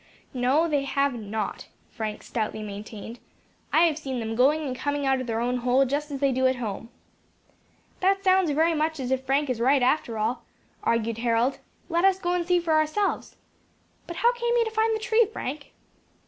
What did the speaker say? "No, they have not," Frank stoutly maintained. "I have seen them going and coming out of their own hole just as they do at home." "That sounds very much as if Frank is right, after all," argued Harold; "let us go and see for ourselves. But how came you to find the tree, Frank?"